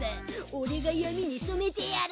俺が闇に染めてやる！